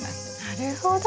なるほど。